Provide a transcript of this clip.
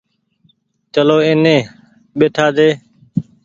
چلو ايني ٻيٺآ ۮي۔